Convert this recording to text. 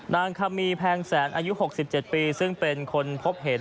นางคำมีแพงแสนอายุ๖๗ปีซึ่งเป็นคนพบเห็น